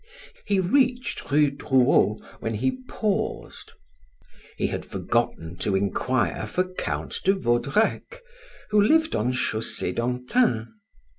He reached Rue Drouot when he paused; he had forgotten to inquire for Count de Vaudrec, who lived on Chaussee d'Antin.